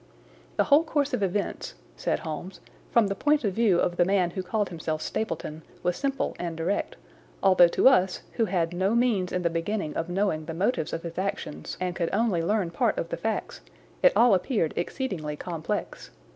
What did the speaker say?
"The whole course of events," said Holmes, "from the point of view of the man who called himself Stapleton was simple and direct, although to us, who had no means in the beginning of knowing the motives of his actions and could only learn part of the facts, it all appeared exceedingly complex.